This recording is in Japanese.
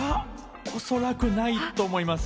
おそらくないと思います。